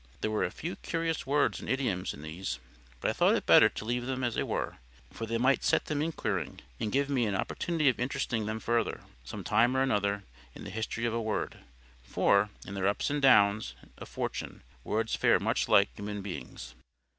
There were a few curious words and idioms in these, but I thought it better to leave them as they were; for they might set them inquiring, and give me an opportunity of interesting them further, some time or other, in the history of a word; for, in their ups and downs of fortune, words fare very much like human beings.